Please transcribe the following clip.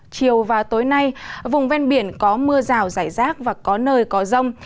chiều và tối nay vùng ven biển có mưa rào rải rác và có nơi có rông